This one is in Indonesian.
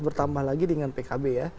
bertambah lagi dengan pkb ya